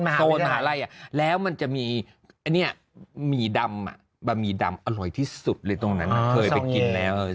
มาร่ายแล้วมันจะมีเนี่ยหมีดำหมีดำอร่อยที่สุดเลยตรงนั้นเคยไปกินแล้ว